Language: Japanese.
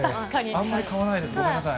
あんまり買わないです、ごめんなさい。